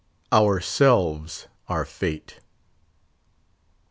Ourselves are Fate.